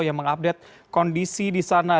yang mengupdate kondisi di sana